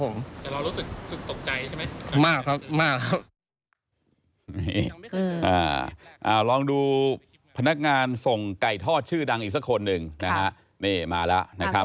นี่ลองดูพนักงานส่งไก่ทอดชื่อดังอีกสักคนหนึ่งนะฮะนี่มาแล้วนะครับ